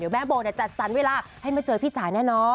แม่โบจัดสรรเวลาให้มาเจอพี่จ๋าแน่นอน